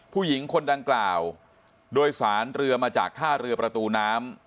ผู้หญิงคนดังกล่าวโดยสารเรือมาจากท่าเรือประตูน้ำ